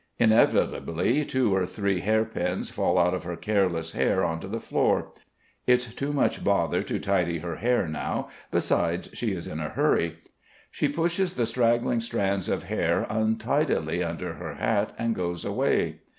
Inevitably, two or three hair pins fall out of her careless hair on to the floor. It's too much bother to tidy her hair now; besides she is in a hurry. She pushes the straggling strands of hair untidily under her hat and goes away.